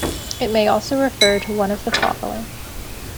It may also refer to one of the following.